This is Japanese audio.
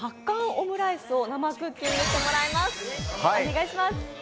オムライスを生クッキングしてもらいます。